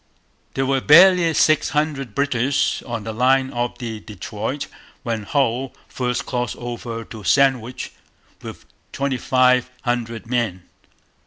There were barely six hundred British on the line of the Detroit when Hull first crossed over to Sandwich with twenty five hundred men.